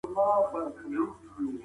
ښه کار تل قدر لري